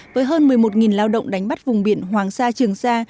với hơn một mươi một lao động đánh bắt vùng biển hoàng sa trường sa